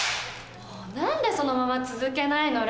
何でそのまま続けないの？